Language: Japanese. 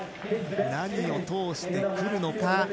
何を通してくるのか。